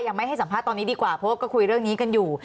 ยังไม่ให้สัมภาษณ์ตอนนี้ดีกว่าเพราะว่าก็คุยเรื่องนี้กันอยู่